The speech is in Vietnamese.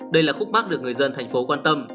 đây là khúc mắt được người dân thành phố quan tâm